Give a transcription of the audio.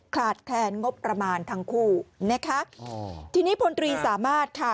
ขาดแคลนงบประมาณทั้งคู่นะคะอ๋อทีนี้พลตรีสามารถค่ะ